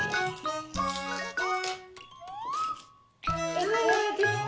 うわできた！